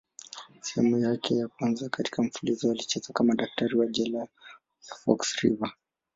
Sehemu yake ya kwanza katika mfululizo alicheza kama daktari wa jela ya Fox River.